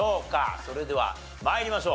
それでは参りましょう。